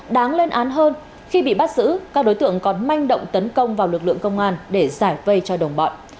đáng lên án hơn khi bị bắt giữ các đối tượng còn manh động tấn công vào lực lượng công an để giải vây cho đồng bọn